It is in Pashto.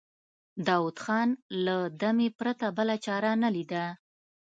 داوود خان له دمې پرته بله چاره نه ليده.